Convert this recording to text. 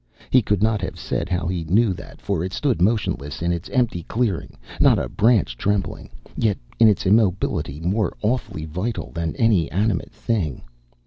He could not have said how he knew that, for it stood motionless in its empty clearing, not a branch trembling, yet in its immobility more awfully vital than any animate thing.